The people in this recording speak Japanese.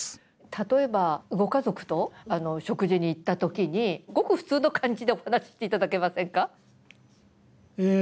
例えばご家族と食事に行ったときにごく普通の感じでお話ししていただけませんか？